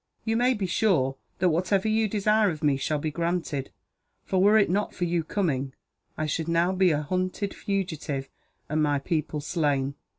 You may be sure that whatever you desire of me shall be granted for, were it not for your coming, I should now be a hunted fugitive, and my people slain."